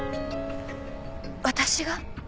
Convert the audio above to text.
私が？